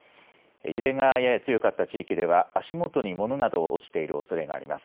揺れがやや強かった地域では足元にものなど落ちているおそれがあります。